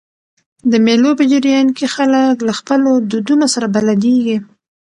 د مېلو په جریان کښي خلک له خپلو دودونو سره بلديږي.